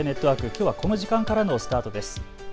きょうはこの時間からのスタートです。